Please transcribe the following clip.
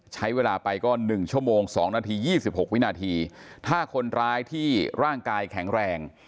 ใช้เวลาไปก็๑ชั่วโมง๒นาที๒๖วินาทีถ้าคนร้ายที่ร่างกายแข็งแรง